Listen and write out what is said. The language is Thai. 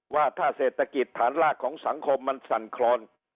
ว่าถ้าเศรษฐกิจฐานรากของสังคมมันสั่นคลอน